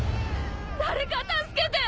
誰か助けて！